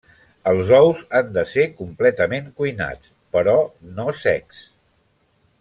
Els ous han de ser completament cuinats, però no secs.